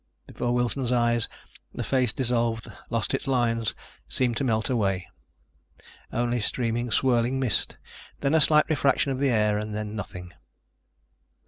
Before Wilson's eyes the face dissolved, lost its lines, seemed to melt away. Only streaming, swirling mist, then a slight refraction in the air and then nothing.